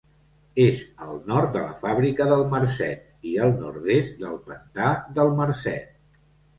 És al nord de la Fàbrica del Marcet i al nord-est del Pantà del Marcet.